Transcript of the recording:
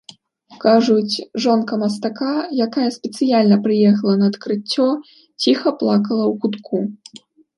Кажуць, жонка мастака, якая спецыяльна прыехала на адкрыццё, ціха плакала ў кутку.